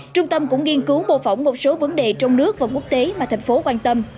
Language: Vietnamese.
trung tâm cũng nghiên cứu mô phỏng một số vấn đề trong nước và quốc tế mà thành phố quan tâm